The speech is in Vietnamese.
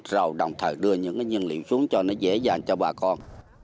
rồi đồng thời đưa những cái nhân liệu xuống cho nó dễ dàng cho bà con